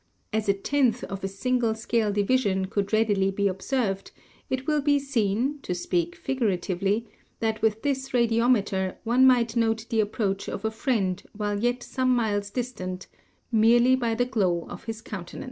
As a tenth of a single scale division could readily be observed, it will be seen, to speak figuratively, that with this radiom eter one might note the approach of a friend while yet some miles distant, merely by the glow of his countenance.